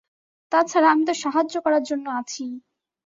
তাছাড়া, আমি তো সাহায্য করার জন্য আছিই।